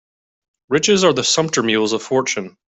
Riches are the sumpter mules of fortune.